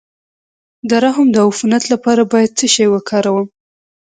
د رحم د عفونت لپاره باید څه شی وکاروم؟